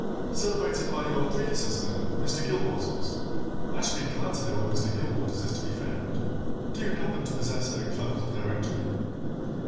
"Celebrated by your predecessor, Mr. Gilwaters. I should be glad to know where Mr. Gilwaters is to be found. Do you happen to possess a clerical directory?"